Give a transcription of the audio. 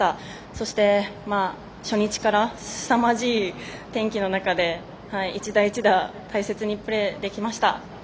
そして、初日からすさまじい天気の中で１打１打大切にプレーできました。